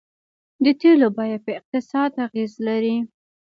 د تیلو بیه په اقتصاد اغیز لري.